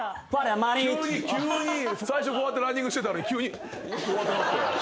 急に最初こうやってランニングしてたのに急にこうやってなって。